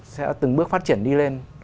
sẽ từng bước phát triển đi lên